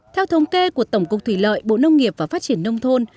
theo thống kê của tổng cục thủy lợi bộ nông nghiệp và phát triển nông thôn